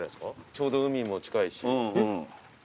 ちょうど海も近いし。